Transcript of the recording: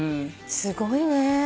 すごいね。